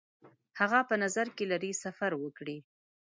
هغه په نظر کې لري سفر وکړي.